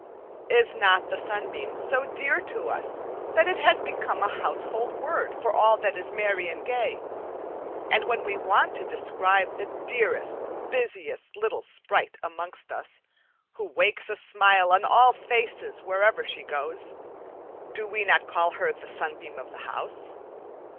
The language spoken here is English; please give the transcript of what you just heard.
Is not the sunbeam so dear to us that it has become a household word for all that is merry and gay? and when we want to describe the dearest, busiest little sprite amongst us, who wakes a smile on all faces wherever she goes, do we not call her the "sunbeam of the house"?